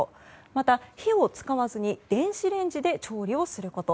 また、火を使わずに電子レンジで調理をすること。